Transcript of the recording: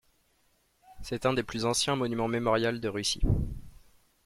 C'est un des plus anciens monuments mémorial de Russie.